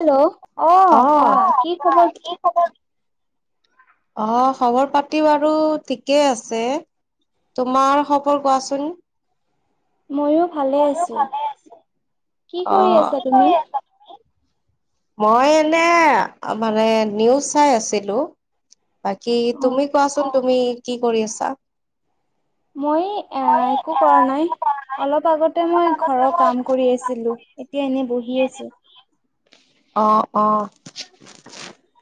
Hello অ'কোৱা কি খবৰ খবৰ অ'খবৰ পাতি বাৰু ঠিকেই আছে। তোমাৰ খবৰ কোৱাচোন। মইও ভালে আছো কি কৰি অ', আছা তুমি মই এনে মানে নিউজ চাই আছিলোঁ। বাকী অ তুমি কোৱাচোন তুমি কি কৰি আছা। মই আ একো কৰা নাই। অলপ আগতে মই ঘৰৰ কাম কৰি আছিলো এতিয়া এনে বহি আছোঁ। অ' অ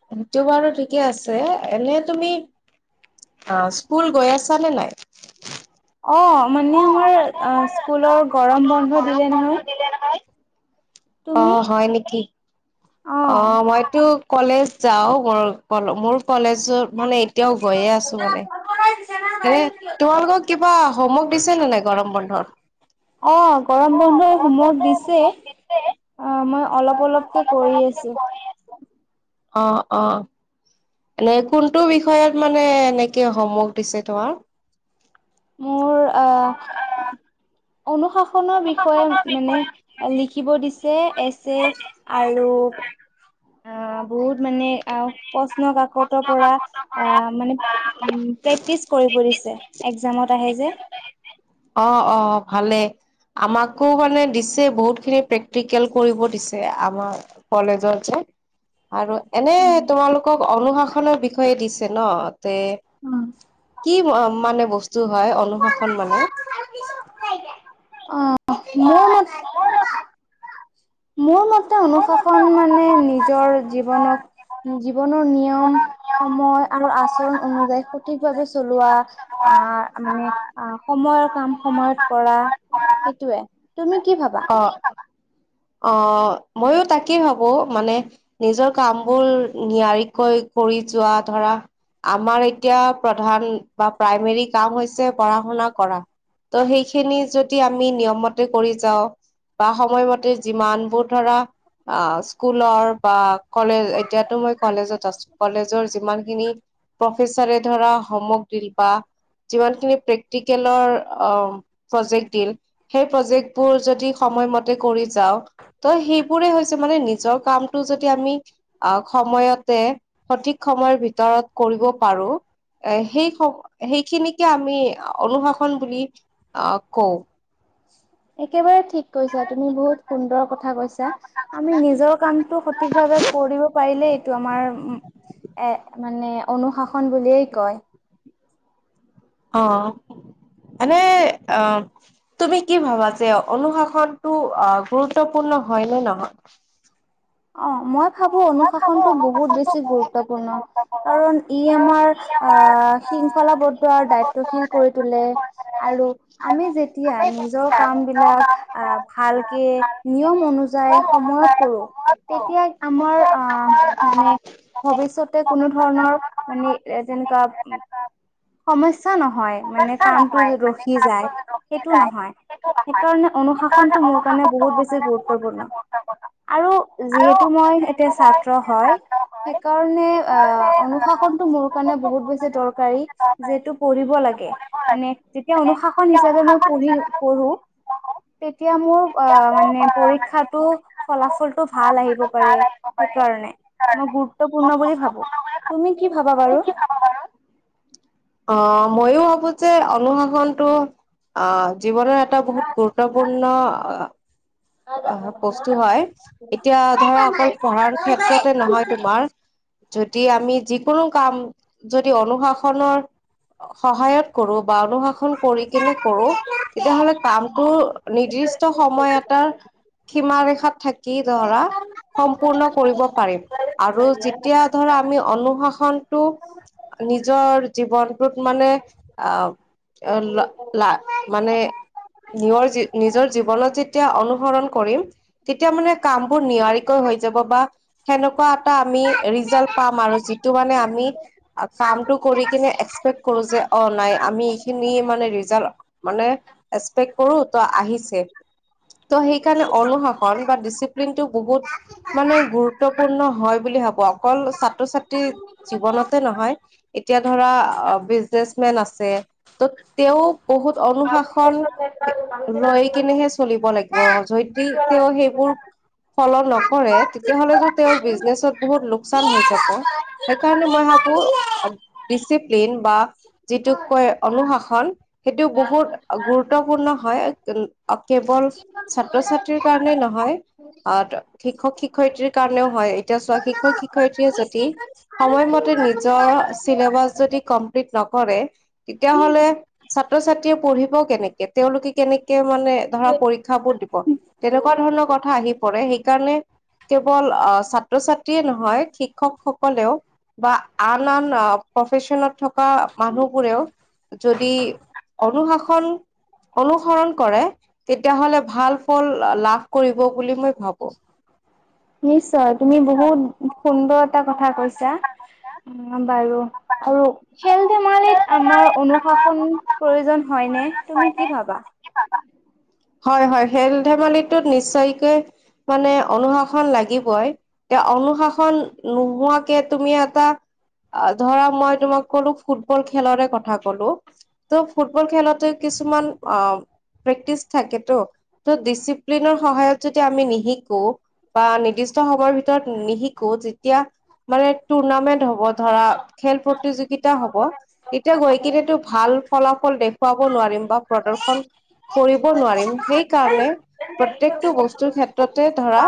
সেইটো বাৰু ঠিকে আছে এনে তুমি অ' স্কুল গৈ আছা নে নাই। অ' মানে মোৰ আ স্কুলৰ গৰম বন্ধ দিলে নহয়। তুমি অ' হয় নেকি। অ' মইতো কলেজ যাও মোৰ মোৰ কলেজত মানে এতিয়াও গৈয়ে আছো মানে এনে তোমালোকক কিবা হোমৱৰ্ক দিছে নে নাই গৰম বন্ধত। অ, গৰম বন্ধৰ হোমৱৰ্ক দিছে। অ, মই অলপ অলপকে কৰি আছো অ অ। এনে কোনটো বিষয়ত মানে এনেকে হোমৱৰ্ক দিছে তোমাৰ মোৰ আহ অনুসাখনৰ বিষয়ে মানে। লিখিব দিছে এ ছেচ আৰু অ, বহুত মানে আহ প্ৰশ্ন কাকতৰ পৰা আ মানে প্ৰেক্টিচ কৰিব দিছে এক্সজামত আহে যে। অ অ ভালেই আমাকো মানে দিছে, বহুত খিনি প্ৰেক্টিকেল কৰিব দিছে আমাক। কলেজৰ যে। আৰু এনে তোমালোকক অনুশাসনৰ বিষয়ে দিছে ন? কি মানে বস্তু হয়, অনুশাসন মানে? অ, মোৰ মতে মোৰ মতে, অনুশাসন মানে নিজৰ জীৱনক জীৱনৰ নিয়ম সময় আৰু আচৰণ অনুযায়ী সঠিকভাৱে চলোৱা, আহ, মানে সময়ৰ কাম সময়ত কৰা সেইটোয়ে। তুমি কি ভাবা? অ। অ, মইয়ো তাকেই ভাবো, মানে নিজৰ কামবোৰ নিয়াৰিকৈ কৰি যোৱা, ধৰা আমাৰ এতিয়া প্ৰধান বা প্ৰাইমেৰী কাম হৈছে পঢ়া শুনা কৰা। ত, সেইখিনি যদি আমি নিয়ম মতে কৰি যাওঁ, বা সময়মতে যিমান বোৰ ধৰা, অ, স্কুলৰ বা কলেজত, এতিয়াতো মই কলেজত আছো। কলেজৰ যিমান খিনি প্ৰফেচাৰে হোমৱৰ্ক বা যিমান খিনি প্ৰেক্টিকেলৰ অ, প্ৰজেক্ট দিল সেই প্ৰজেক্ট বোৰ যদি, সময়মতে কৰি যাও। ত, সেইবোৰে হৈছে মানে নিজৰ কামটো যদি আমি আহ, সময়তে সঠিক সময়ৰ ভিতৰত কৰিব পাৰো। এ সেই সেইখিনিকে আমি অনুশাসন বুলি আহ, কওঁ। একেবাৰে ঠিক কৈছা তুমি বহুত সুন্দৰ কথা কৈছা। আমি নিজৰ কামটো সঠিক ভাৱে কৰিব পাৰিলেই, এইটো আমাৰ এ মানে অনুশাসন বুলিয়েই কয়। অ, এনেই অ। তুমি কি ভাবা যে, অনুশাসনটো গুৰুত্বপূৰ্ণ হয় নে নহয়? অ, মই ভাবো অনুশাসনতটো বহুত বেছি গুৰুত্বপূৰ্ণ। কাৰণ ই আমাৰ আহ, শৃংখলাবদ্ধ আৰু দ্বায়িত্বশীল কৰি তোলে। আৰু আমি যেতিয়া নিজৰ কাম বিলাক আহ, ভালকে নিয়ম অনুযায়ী সময়ত কৰো। তেতিয়া আমাৰ অ, মানে ভৱিষ্যতে কোনো ধৰণৰ মানে, এ যেনেকোৱা সমস্যা নহয় মানে, কামটো ৰখি যায় সেইটো নহয়। সেইকাৰণে অনুশাসনতটো মোৰ কাৰণে বহুত বেছি গুৰুত্বপূৰ্ণ। আৰু যিহেতু মই এতিয়া ছাত্ৰ হয়। সেইকাৰণে অ, অনুশাসনতটো মোৰ কাৰণে বহুত বেছি দৰকাৰী। যেহেতটো পঢ়িব লাগে মানে, যেতিয়া অনুশাসন হিচাপে মই পঢ়ি পঢ়ো। তেতিয়া মোৰ অ, মানে পৰীক্ষাটো ফলাফলটো ভাল আহিব পাৰে। সেইকাৰণে মই গুৰুত্বপূৰ্ণ বুলি ভাবো। তুমি কি ভাবা বাৰু? অ মইয়ো ভাবো যে অনুশাসনটো অ, জীৱনৰ এটা বহুত গুৰুত্বপূৰ্ণ আহ, বস্তু হয় এতিয়া ধৰা অকল পঢ়াৰ ক্ষেত্ৰতে নহয় তোমাৰ যদি আমি যিকোনো কাম যদি অনুশাসনৰ সহায়ত কৰো বা অনুশাসন কৰি কিনে কৰো তেতিয়াহলে কামটো নিৰ্দিষ্ট সময়ত টাৰ সীমা ৰেখাত থাকি ধৰা সম্পূৰ্ণ কৰিব পাৰিম আৰু যেতিয়া ধৰা আমি অনুশাসনটো নিজৰ জীৱনটোত মানে আহ' অ' লা, মানে নিজৰ নিজৰ জীৱনত যে যেতিয়া অনুসৰণ কৰিম তেতিয়া মানে কাম বোৰ নিয়াৰিকৈ হৈ যাব বা সেনেকুৱা এটা আমি ৰিজাল্ট পাম আৰু যিটো মানে আমি কামটো কৰি কেনে এক্সপেক্ট কৰো যে অঁ' নাই আমি এইখিনি মানে ৰিজাল্ট মানে এক্সপেক্ট কৰো ত' আহিছে। ত' সেইকাৰণে অনুশাসন বা ডিচিপ্লিন টো বহুত মানে গুৰুত্বপূৰ্ণ হয় বুলি ভাবোঁ, অকল ছাত্ৰ-ছাত্ৰী জীৱনতে নহয়- এতিয়া ধৰা বিজনেচ মেন আছে ত' তেওঁ বহুত অনুশাসন লৈ কিনেহে চলিব লাগিব যদি তেওঁ সেইবোৰ পালন নকৰে তেতিয়াহলেতো তেওঁৰ বিজনেচত বহুত লোকচান হৈ যাব। সেইকাৰণে মই ভাবোঁ ডিচিপ্লিন বা যিটোক কয় অনুশাসন সেইটো গুৰুত্বপূৰ্ণ হয়। কেৱল ছাত্ৰ-ছাত্ৰীৰ কাৰনে নহয় আহ' শিক্ষক-শিক্ষয়িত্ৰীৰ কাৰণনেও হয়। এতিয়া চোৱা শিক্ষক-শিক্ষয়িত্ৰীয়ে যদি সময়মতে নিজৰ চিলেবাচ যদি কমপ্লিট নকৰে তেতিয়া হ'লে ছাত্ৰ-ছাত্ৰীয়ে পঢ়িব কেনেকে, তেওঁওলোকে কেনেকে মানে ধৰা পৰীক্ষাবোৰ তেনেকুৱা ধৰণৰ কথা আহি পৰে। সেইকাৰণে কেৱল আহ' ছাত্ৰ-ছাত্ৰীয়ে নহয় শিক্ষকসকলেও বা আন-আন প্ৰফেচনত থকা মানুহবোৰেও যদি অনুশাসন অনুসৰণ কৰে তেতিয়া হ'লে ভাল ফল লাভ কৰিব বুলি মই ভাবোঁ। নিশ্চয়, তুমি বহুত সুন্দৰ এটা কথা কৈছা। অঁ' বাৰু আৰু খেল ধেমালিত আমাৰ অনুশাসন প্ৰয়োজন হয় নে তুমি কি ভাবা? হয়-হয়, খেল ধেমালিটোত নিশ্চয়কৈ মানে অনুশাসন লাগিবই। এতিয়া অনুশাসন নোহোৱাকে তুমি এটা ধৰা মই তোমাক কলোঁ ফুটবল খেলৰে কথা কলো। ত' ফুটবল খেলতে কিছুমান অঁ' প্ৰেক্টিচ থাকেতো। ত' ডিচিপ্লিনৰ সহায়ত যদি আমি নিশিকো বা নিৰ্দিষ্ট সময়ৰ ভিতৰত নিশিকো তেতিয়া মানে টুৰ্ণামেন্ট হ'ব ধৰা খেল প্ৰতিযোগিতা হ'ব তেতিয়া গৈ কেনেতো ভাল ফলাফল দেখুৱাব নোৱাৰিম বা প্ৰদৰ্শন কৰি ৱ নোৱাৰিম। সেইকাৰণে প্ৰত্যেকটো বস্তুৰ ক্ষেত্ৰতে ধৰা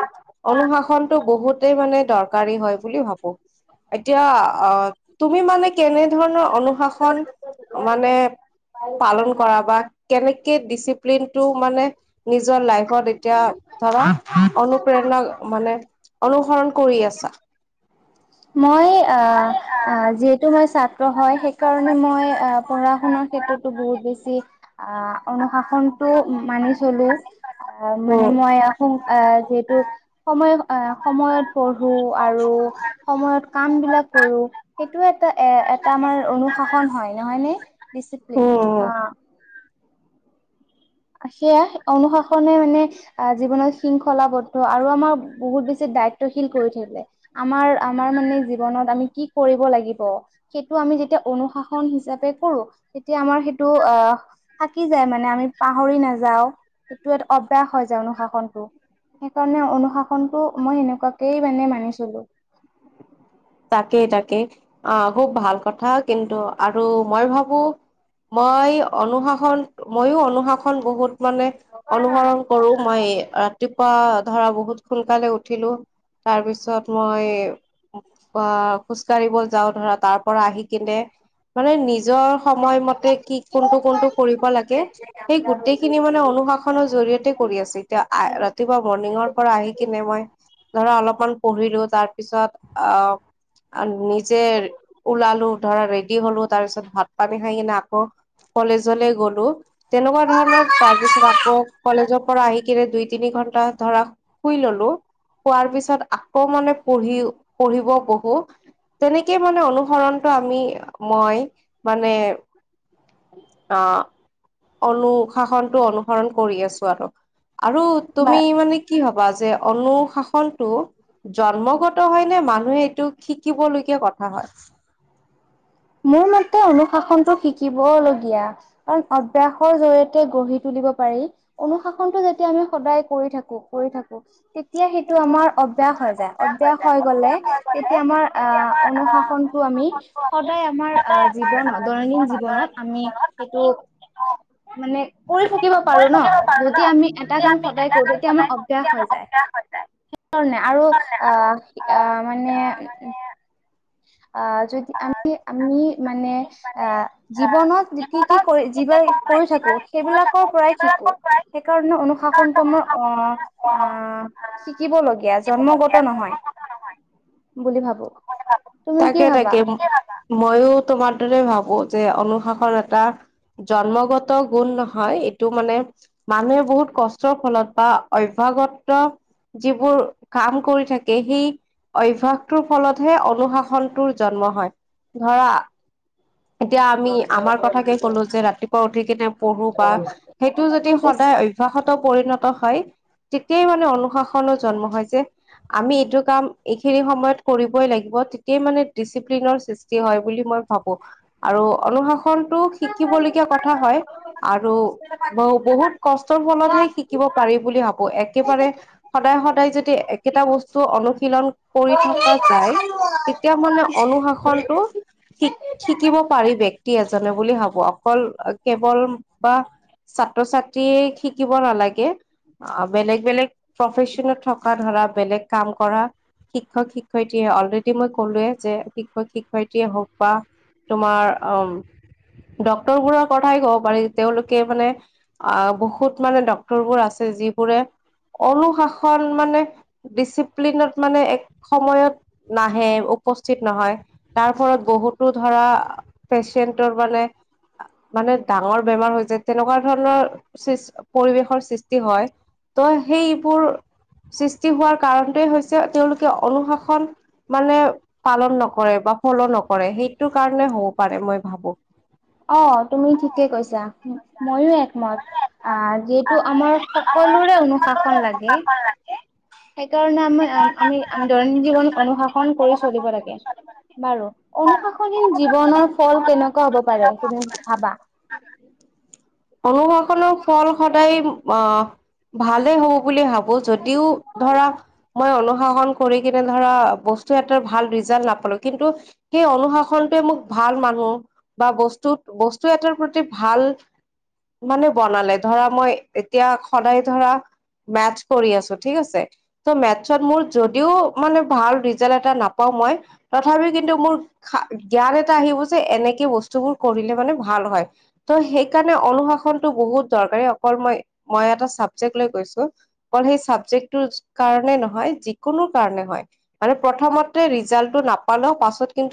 অনুশাসনটো বহুতেই মানে দৰকাৰী হয় বুলি ভাবোঁ। এতিয়া আহ' তুমি মানে কেনে ধৰণৰ অনুশাসন মানে পালন কৰা বা কেনেকে দিচি প্লিনটো মানে নিজৰ লাইফত এতিয়া ধৰা অনুপ্ৰেৰণা মানে অনুসৰণ কৰি আছা? মই আহ' আহ' যিহেতু মই ছা ত্ৰ হয় সেইকাৰণে মই আহ' পঢ়া শুনাৰ ক্ষেত্ৰতো বহুত বেছি- [unintelligible] টো মানি চলোঁ আহ' মানে উম মই আহ' যিহেতু- সময় আহ' সময়ত পঢ়ো আৰু সময়ত কাম বিলাক কৰোঁ। সেইটো এটা এ এটা আমাৰ অনুশাসন হয়, নহয় নে, ডিচিপ্লিন উম উম। অঁ'। সেইয়া অনুশাসনে মানে, জীৱনত শৃংখলাবদ্ধ আৰু আমাৰ বহুত বেছি দায়িত্বশীল কৰি থাকে। আমাৰ আমাৰ মানে জীৱনত আমি কি কৰিব লাগিব। সেইটো আমি যেতিয়া অনুশাসন হিচাপে কৰো তেতিয়া আমাৰ সেইটো আহ। থাকি যায় মানে আমি পাহৰি নাযাও এইটো এটা অভ্যাস হয় যায়, অনুশাসনটো। সেইকাৰণে অনুশাসনতটো মই সেনেকুৱাকেই মানে মানি চলো। তাকেই তাকে আহ খুব ভাল কথা কিন্তু আৰু মই ভাবো। মই অনুশাসন, মইও অনুশাসন বহুত মানে, অনুসৰন কৰো মই এ আহ। ৰাতিপুৱা ধৰা বহুত সোনকালে উঠিলো, তাৰ পিছত মই। আ খোজকাাঢ়িব যাওঁ ধৰা তাৰ পৰা আহি কিনে। মানে নিজৰ সময়মতে। কি কোনটো কোনটো কৰিব লাগে, সেই গোটেই খিনি মানে অনুশাসন খনৰ জৰিয়তে কৰি আছে, এতিয়া ৰাতিপুৱা মৰ্ণিঙৰ পৰা আহি কিনে মই। ধৰা অলপমান পঢ়িলো, তাৰ পিছত আ, নিজে ওলালো ধৰা ৰেডি হলো। তাৰ পিছত ভাত পানী খাই কিনে আকৌ। কলেজলে গ'লো। তেনেকুৱা ধৰণৰ তাৰ পিছত আকৌ, কলেজৰ পৰা আহি কিনে দুই তিনি ঘন্টা ধৰা। শুই ললো, শোৱাৰ পিছত আকৌ মানে পঢ়ি পঢ়িব বহো। বহু তেনেকে মানে অনুসৰণটো আমি মই মানে, আহ, অনুশাসনটো অনুসৰণ কৰি আছো আৰু। আৰু বা তুমি মানে কি ভবা যে, অনুশাসনটো জন্মগত, হয় নে মানুহে এইটো শিকিব লগীয়া কথা হয়। মোৰ মতে অনুশাসনটো শিকিব লগীয়া। অভ্যাসৰ জৰিয়তে গঢ়ি তুলিব পাৰি। অনুশাসনটো যেতিয়া আমি সদায় কৰি থাকো, কৰি থাকো তেতিয়া সেইটো আমাৰ অভ্যাস হৈ যায়। অভ্যাস হৈ গলে, তেতিয়া আমাৰ আহ অনুশাসনটো আমি। প্ৰায় আমাৰ আহ, জীৱনত দৈনন্দিন জীৱনত আমি সেইটো, মানে কৰি থাকিব পাৰো ন। যদি আমি এটা কাম সদায় কৰো, তেতিয়া আমাৰ অভ্যাস হৈ যায়। সেইকাৰণে আৰু অ আ মানে, অ যদি আমি আমি মানে, আহ জীৱনত কি কি কৰি যিবোৰ কৰি থাকো সেইবিলাকৰ পৰাই শিকো। সেইকাৰণে অনুশাসনটো আমাৰ অহ, আহ শিকিবলগীয়া জন্মগত নহয়, বুলি ভাবো। তুমি কি তাকে ভাবা তাকে ময়ো তোমাৰ দৰে ভাবো যে, অনুশাসন এটা, জন্মগত গুণ নহয়, এইটো মানে মানুহে বহুত কষ্টৰ ফলত বা অভ্যাগত যিবোৰ কাম কৰি থাকে সেই অভ্যাসটোৰ ফলতহে অনুশাসন সন্তৰ জন্ম হয় ধৰা, এতিয়া আমি আমাৰ কথাকে ক'লো যে, ৰাতিপুৱা উঠি কিনে পঢ়ো বা সেইটো যদি সদায় অঁ অভ্যাসতো পৰিণত হয়। তেতিয়াই মানে অনুশাসনো জন্ম হয় যে। আমি এইটো কাম এইখিনি সময়ত কৰিবই লাগিব। তেতিয়া মানে ডিচিপ্লিনৰ সৃষ্টি হয়, বুলি মই ভাবোঁ, আৰু অনুশাসনটো শিকিবলগীয়া কথা হয়। আৰু ব বহুত কষ্টৰ ফলতহে শিক শিকিব পাৰি বুলি ভাবোঁ। একেবাৰে সদায় সদায় যদি একেটা বস্তু অনুশীলন- কৰি থকা যায়, তেতিয়া মানে অনুশাসনটো- শিক শিকিব পাৰি ব্যক্তি এজনে বুলি ভাবোঁ। অকল কেৱল বা- ছাত্ৰ-ছাত্ৰীয়ে শিকিব নালাগে। আ বেলেগ বেলেগ প্ৰফেশচনত থকা ধৰা বেলেগ কাম কৰা। শিক্ষক-শিক্ষয়িত্ৰীয়ে, অলৰেডি মই ক'লোৱে যে শিক্ষক-শিক্ষয়িত্ৰীয়ে হওঁক বা- তোমাৰ অঁ- ডক্তৰবোৰৰ কথাই ক'ব পাৰি, তেওঁলোকে মানে অঁ, বহুত মানে ডক্ত- ৰবোৰ আছে, যিবোৰে অনুশাসন মানে- ডিচিপ্লিনত মানে এক সময়ত নাহে, উপস্থিত নহয়। তাৰফলত বহুতো ধৰা পেচেণ্টৰ মানে- মানে ডাঙৰ বেমাৰ হৈ যায়, তেনেকুৱা ধৰণৰ সৃষ পৰিৱেশৰ সৃষ্টি হয়। ত' সেইবোৰ সৃষ্টি হোৱাৰ কাৰণটোৱে হৈছে- যে তেওঁলোকে অনুশাসন মানে পালন নকৰে বা ফল' নকৰে। সেই- টো কাৰণে হ'ব পাৰে মই ভাবোঁ। অঁ, তুমি ঠিকে কৈছা। মইয়ো একমত, আহ যিহেতু আমাৰ- সকলোৰে অনুশাসন লাগে। সেইকাৰণে আমাৰ আ আমি আমি দৈনন্দিন জীৱন অনুশাসন কৰি চলিব লাগে। বাৰু, অনুশাসনহীন জীৱনৰ ফল কেনেকুৱা হ'ব পাৰে তুমি ভাবা? [unintelligible] অনুশাসনৰ ফল সদায় অঁ, ভালেই হ'ব বুলি ভা- বোঁ। যদিও ধৰা মই অনুশাসন- কৰি কিনে ধৰা বস্তু এটাৰ ভাল ৰিজাল্ট নাপালোঁ। কিন্তু- সেই অনুশাসনটোৱে মোক ভাল মানুহ বা বস্তু বস্তু এটাৰ প্ৰতি ভাল- মানুহ বনালে। ধৰা মই, এতিয়া সদায় ধৰা মেথছ কৰি আছোঁ, ঠিক আছে! ত' মেথছত মোৰ যদিও মানে ভাল ৰিজাল্ট এটা নাপাওঁ মই- তথাপিও কিন্তু মোৰ খা জ্ঞান এটা আহিব যে এনেকে বস্তুবোৰ কৰিলে মানে ভাল হয়। ত' সেইকাৰণে অনুশাসনটো বহুত দৰকাৰী, অকল মই মই এটা চাবজেক্ট লৈ গৈছোঁ। অকল সেই চাবজেক্টটোৰ কাৰণে নহয়, যিকোনো কাৰণে হয়। মানে প্ৰথমতে ৰিজাল্টটো নাপালেও পাছত কিন্তু-